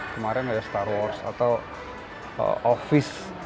kemarin ada star wars atau office